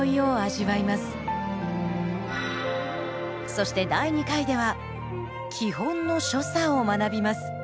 そして第二回では基本の所作を学びます。